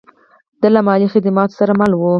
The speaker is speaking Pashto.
دا له مالي خدماتو سره مل و